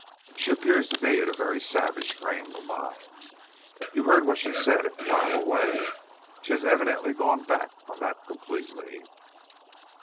She appears to be in a very savage frame of mind. You heard what she said at While a Way. She has evidently gone back on that completely.